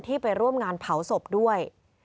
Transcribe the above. ไปร่วมงานเผาศพด้วย